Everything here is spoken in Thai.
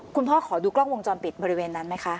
ขอดูกล้องวงจรปิดบริเวณนั้นไหมคะ